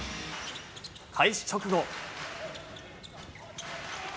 開始直後。